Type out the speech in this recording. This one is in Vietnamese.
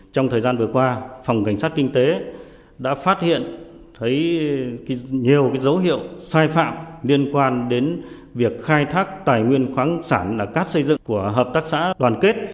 trong thời gian vừa qua phòng cảnh sát kinh tế đã phát hiện thấy nhiều dấu hiệu sai phạm liên quan đến việc khai thác tài nguyên khoáng sản là cát xây dựng của hợp tác xã đoàn kết